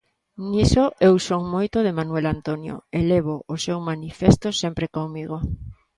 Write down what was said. Niso eu son moito de Manuel Antonio e levo o seu manifesto sempre comigo.